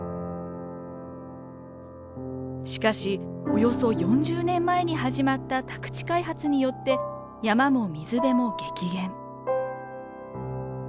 しかしおよそ４０年前に始まった宅地開発によって山も水辺も激減。